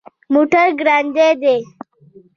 موټر ګړندی دی